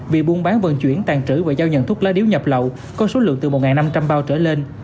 vì buôn bán vận chuyển tàn trữ và giao nhận thuốc lá điếu nhập lậu có số lượng từ một năm trăm linh bao trở lên